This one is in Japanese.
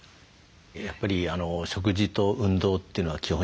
やっぱり食事と運動というのは基本になります。